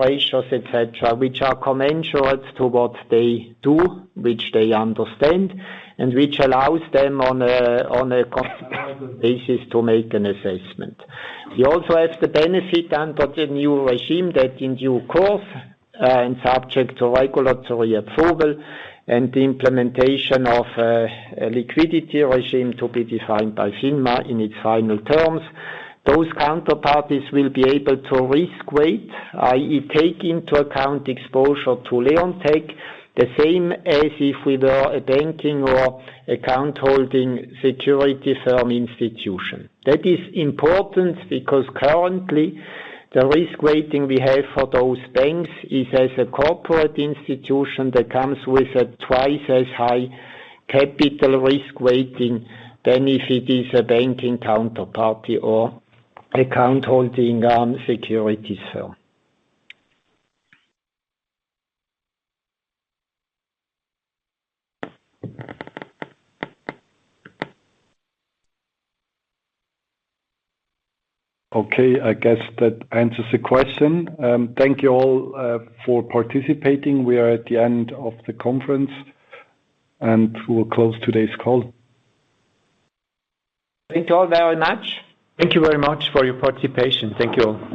ratios, etc., which are commensurate to what they do, which they understand, and which allows them on a basis to make an assessment. We also have the benefit under the new regime that in due course, and subject to regulatory approval and implementation of a liquidity regime to be defined by FINMA in its final terms, those counterparties will be able to risk-weight, i.e., take into account exposure to Leonteq the same as if we were a banking or account-holding securities firm institution. That is important because currently, the risk-weighting we have for those banks is as a corporate institution that comes with a twice-as-high capital risk-weighting than if it is a banking counterparty or account-holding securities firm. Okay. I guess that answers the question. Thank you all for participating. We are at the end of the conference, and we'll close today's call. Thank you all very much. Thank you very much for your participation. Thank you all.